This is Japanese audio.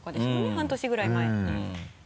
半年ぐらい前。